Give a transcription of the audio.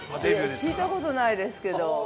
◆聞いたことないですけど。